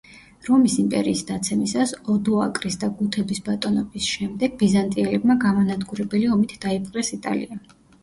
რომის იმპერიის დაცემისას, ოდოაკრის და გუთების ბატონობის შემდეგ, ბიზანტიელებმა გამანადგურებელი ომით დაიპყრეს იტალია.